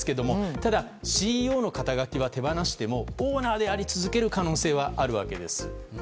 ただ、ＣＥＯの肩書は手放してもオーナーであり続ける可能性はあるわけです。